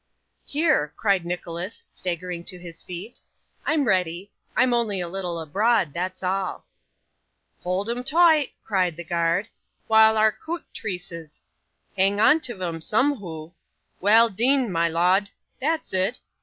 'Here!' cried Nicholas, staggering to his feet, 'I'm ready. I'm only a little abroad, that's all.' 'Hoold 'em toight,' cried the guard, 'while ar coot treaces. Hang on tiv'em sumhoo. Well deane, my lod. That's it.